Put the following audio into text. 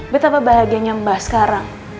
betapa bahagianya mbak sekarang